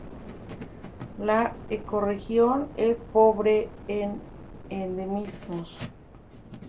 La ecorregión es pobre en endemismos.